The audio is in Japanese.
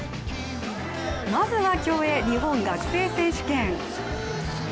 まずは競泳、日本学生選手権。